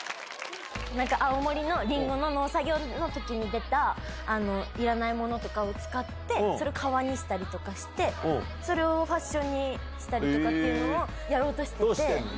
なんか、青森のりんごの農作業のときに出た、いらないものとかを使って、それを革にしたりとかして、それをファッションにしたりとかっていうのをやろうとしてて。